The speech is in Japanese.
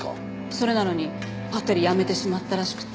それなのにぱったりやめてしまったらしくて。